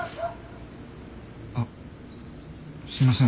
あすいません